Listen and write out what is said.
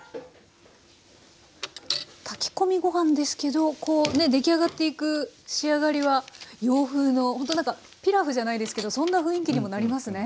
炊き込みご飯ですけどこうね出来上がっていく仕上がりは洋風のほんとなんかピラフじゃないですけどそんな雰囲気にもなりますね。